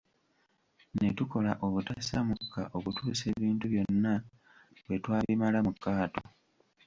Ne tukola obutassa mukka okutuusa ebintu byonna lwe twabimala mu kaato.